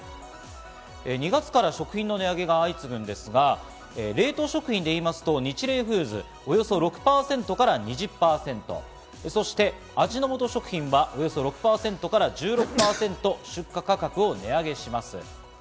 ２月から食品の値上げが相次ぐんですが、食品で言いますとニチレイフーズおよそ６％から２０％、味の素食品はおよそ６％から１６％、出荷価格を値上げします。